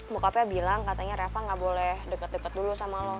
mukanya bilang katanya rafa gak boleh deket deket dulu sama lo